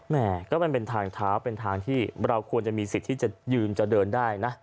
แม่ก็มันเป็นทางเท้าเป็นทางที่เราควรจะมีสิทธิ์ที่จะยืนจะเดินได้นะ